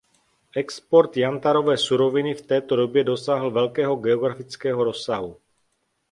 Export jantarové suroviny v této době dosáhl velkého geografického rozsahu.